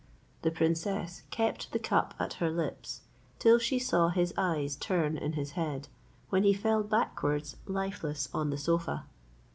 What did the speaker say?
The princess kept the cup at her lips, till she saw his eyes turn in his head, when he fell backwards lifeless on the sofa.